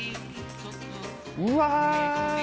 うわ！